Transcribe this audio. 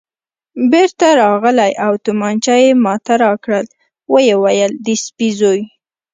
بېرته راغلی او تومانچه یې ما ته راکړل، ویې ویل: د سپي زوی.